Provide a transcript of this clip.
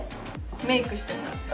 メイクしてもらった。